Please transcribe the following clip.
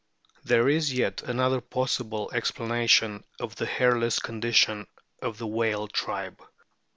There is yet another possible explanation of the hairless condition of the whale tribe.